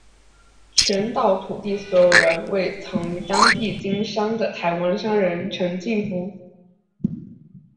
全岛土地所有人为曾于当地经商的台湾商人陈进福。